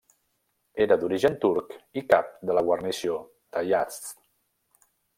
Era d'origen turc i cap de la guarnició de Yazd.